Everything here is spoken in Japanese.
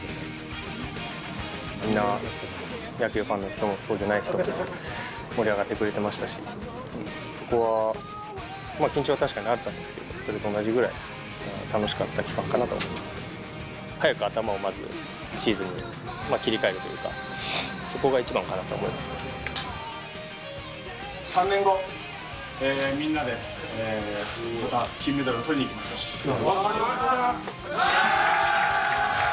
みんな、野球ファンの人もそうじゃない人も、盛り上がってくれてましたし、そこは、緊張は確かにあったんですけれども、それと同じぐらい楽しかった期間かなと。早く頭をまずシーズンに切り替えるというか、そこが一番かなと思３年後、みんなでまた金メダルをとりにいきましょう。